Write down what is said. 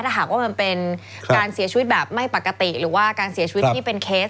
ถ้าหากว่ามันเป็นการเสียชีวิตแบบไม่ปกติหรือว่าการเสียชีวิตที่เป็นเคส